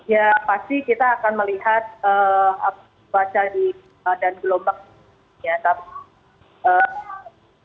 ya pasti kita akan melihat